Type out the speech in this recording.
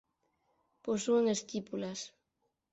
Posúen estípulas.